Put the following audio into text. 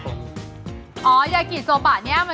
หวัดเข้ม